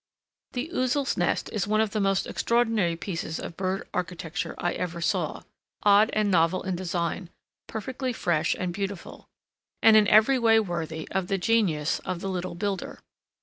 The Ouzel's nest is one of the most extraordinary pieces of bird architecture I ever saw, odd and novel in design, perfectly fresh and beautiful, and in every way worthy of the genius of the little builder.